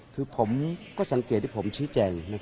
คือผมก็สังเกตที่ผมชี้แจง